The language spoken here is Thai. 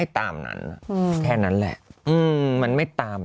เอ้าแล้วคุณแม่เอาอีกแล้ว